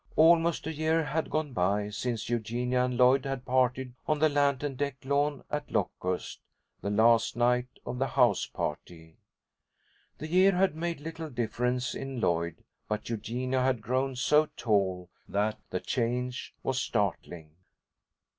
Almost a year had gone by since Eugenia and Lloyd had parted on the lantern decked lawn at Locust, the last night of the house party. The year had made little difference in Lloyd, but Eugenia had grown so tall that the change was startling.